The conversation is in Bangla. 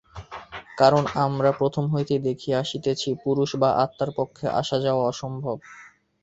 কারণ আমরা প্রথম হইতেই দেখিয়া আসিতেছি, পুরুষ বা আত্মার পক্ষে আসা-যাওয়া অসম্ভব।